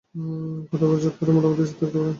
বড় বড় ঝড়ঝাপটাতে মোটামুটি স্থির থাকতে পারেন।